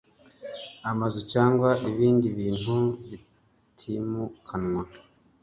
amazu cyangwa ibindi bintu bitimukanwa